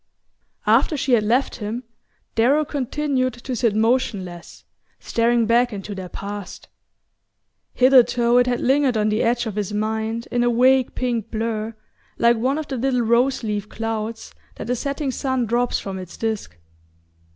After she had left him, Darrow continued to sit motionless, staring back into their past. Hitherto it had lingered on the edge of his mind in a vague pink blur, like one of the little rose leaf clouds that a setting sun drops from its disk.